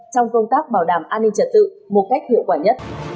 trong công tác bảo đảm an ninh trật tự một cách hiệu quả nhất